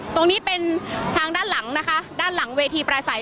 ตรงนี้เป็นทางด้านหลังนะคะด้านหลังเวทีประสัย